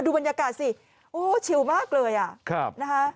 บรรยากาศสิโอ้ชิวมากเลยอ่ะนะคะ